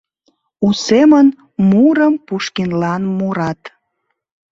У семын мурым Пушкинлан мурат.